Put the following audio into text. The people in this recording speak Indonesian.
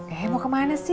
eh mau kemana sih